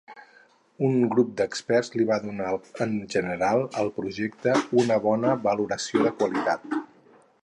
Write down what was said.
Un grup d'experts li va donar, en general, al projecte una bona valoració de qualitat.